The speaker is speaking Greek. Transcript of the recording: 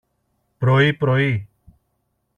πρωί-πρωί